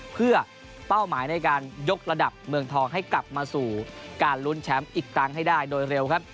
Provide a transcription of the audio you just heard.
เพื่อเป้าหมายในการยกระดับเมืองทองให้กลับมาสู่การลุ้นแชมป์อีกครั้งให้ได้โดยเร็วครับ